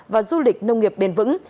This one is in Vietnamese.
và du lịch nông nghiệp bền vững